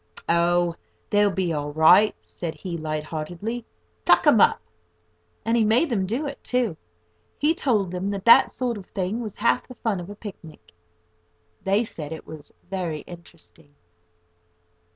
"Oh, they'll be all right," said he light heartedly; "tuck 'em up." And he made them do it, too. He told them that that sort of thing was half the fun of a picnic. They said it was very interesting.